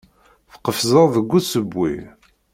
Tqefzeḍ deg usewwi.